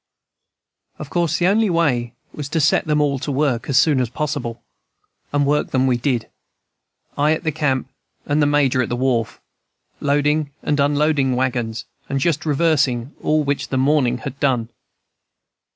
Of course the only way was to set them all at work as soon as possible; and work them we did, I at the camp and the Major at the wharf, loading and unloading wagons and just reversing all which the morning had done.